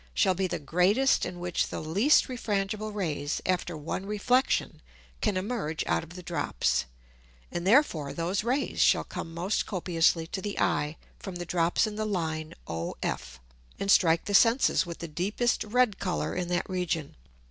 shall be the greatest in which the least refrangible Rays after one Reflexion can emerge out of the Drops, and therefore those Rays shall come most copiously to the Eye from the Drops in the Line OF, and strike the Senses with the deepest red Colour in that Region.